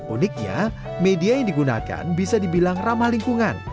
uniknya media yang digunakan bisa dibilang ramah lingkungan